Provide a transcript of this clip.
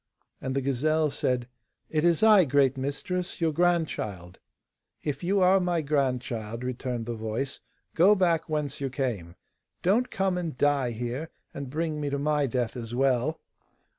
And the gazelle said, 'It is I, great mistress, your grandchild.' 'If you are my grandchild,' returned the voice, 'go back whence you came. Don't come and die here, and bring me to my death as well.